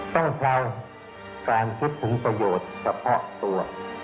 ต้องใช้การคิดถึงประโยชน์เฉพาะตัว